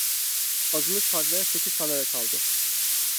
Azınlık partilerine sekiz sandalye kaldı.